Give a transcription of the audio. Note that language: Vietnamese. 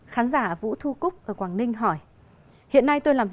khán giả vũ thu cúc ở quảng ninh hỏi